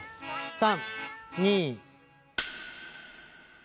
３２。